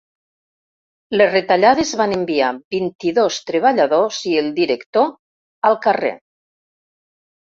Les retallades van enviar vint-i-dos treballadors i el director al carrer.